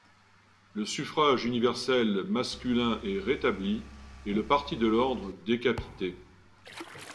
Le suffrage universel masculin est rétabli et le parti de l'ordre décapité.